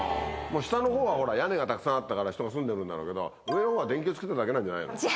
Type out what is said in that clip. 下のほうは屋根がたくさんあったから人が住んでるんだろうけど上のほうは電球つけただけ。